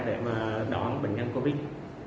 để đón bệnh nhân covid